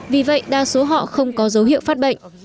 vì vậy đa số họ không có dấu hiệu phát bệnh